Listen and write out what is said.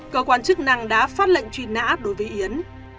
cơ quan chức năng đã phát lệnh truy nã đối với yến